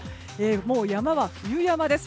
もう山は冬山です。